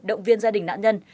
động viên gia đình nạn nhân